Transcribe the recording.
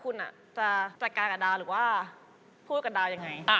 คุณจะจัดการกับดาวหรือว่าพูดกับดาวยังไง